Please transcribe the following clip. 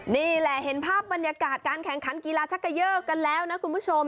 นี่แหละเห็นภาพบรรยากาศการแข่งขันกีฬาชักเกยอร์กันแล้วนะคุณผู้ชม